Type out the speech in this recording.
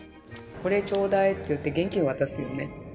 これちょうだいって現金渡すよね。